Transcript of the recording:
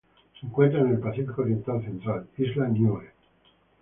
Se encuentra en el Pacífico oriental central: isla Niue.